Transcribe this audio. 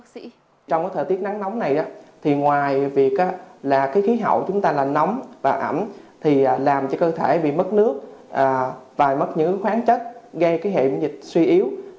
trong thời tiết nắng nóng này ngoài việc khí hậu chúng ta là nóng và ẩm làm cho cơ thể bị mất nước và mất những khoáng chất gây hệ nhiễm dịch suy yếu